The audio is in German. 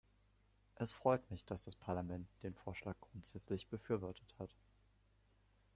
Es freut mich, dass das Parlament den Vorschlag grundsätzlich befürwortet hat.